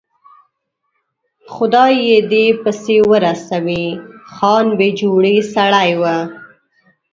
خدای یې دې پسې ورسوي، خان بې جوړې سړی و.